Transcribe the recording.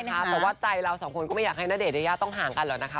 แต่ว่าใจเราสองคนก็ไม่อยากให้ณเดชนยายาต้องห่างกันหรอกนะคะ